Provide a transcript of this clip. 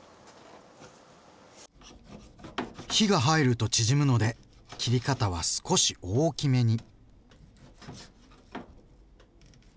火が入ると縮むので切り方は少し大きめに。